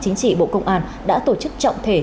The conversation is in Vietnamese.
chính trị bộ công an đã tổ chức trọng thể